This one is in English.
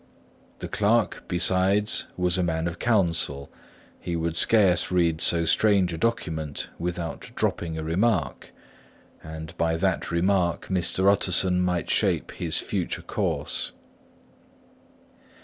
The clerk, besides, was a man of counsel; he could scarce read so strange a document without dropping a remark; and by that remark Mr. Utterson might shape his future course.